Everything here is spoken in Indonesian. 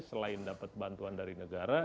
selain dapat bantuan dari negara